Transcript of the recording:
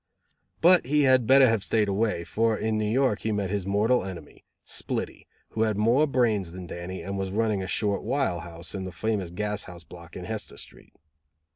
But he had better have stayed away, for in New York he met his mortal enemy, Splitty, who had more brains than Dannie, and was running a "short while house" in the famous gas house block in Hester Street.